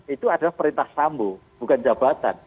itu adalah perintah sambo bukan jabatan